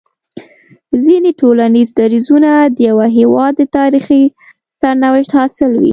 ځيني ټولنيز درځونه د يوه هيواد د تاريخي سرنوشت حاصل وي